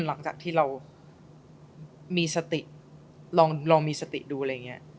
หลังจากที่เรามีสติลองมีสติดูอะไรอย่างนี้